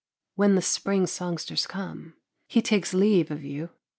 When the spring songsters come, he takes leave of you.